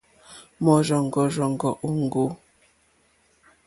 Mɔ̀rzɔ̀ŋɡɔ̀rzɔ̀ŋɡɔ̀ òŋɡô.